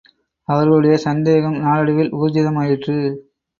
அவர்களுடைய சந்தேகம் நாளடைவில் ஊர்ஜிதமாயிற்று.